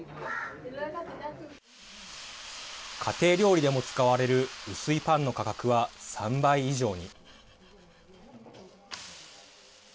家庭料理でも使われる薄いパンの価格は３倍以上に。